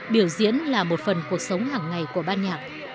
biểu diễn là một phần cuộc sống hàng ngày của ban nhạc